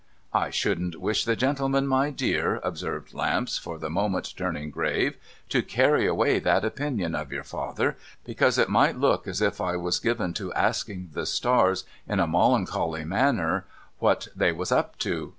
* I shouldn't wish the gentleman, my dear,' observed Lamps, for PHCEBE'S NEWSMAN 431 the moment turning grave, ' to carry away that opinion of your father, because it might look as if I was given to asking the stars in a molloncolly manner what they was up to.